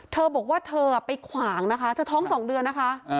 เธอบอกว่าเธอไปขวางนะคะเธอท้อง๒เดือนนะคะ